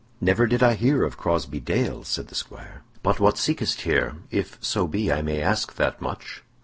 "Never did I hear of Crosbey Dale," said the squire. "But what seekest here, if so be I may ask that much?"